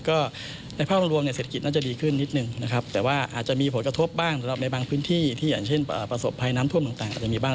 ก็ในภาพรวมเนี่ยเศรษฐกิจน่าจะดีขึ้นนิดนึงนะครับแต่ว่าอาจจะมีผลกระทบบ้างสำหรับในบางพื้นที่ที่อย่างเช่นประสบภัยน้ำท่วมต่างอาจจะมีบ้าง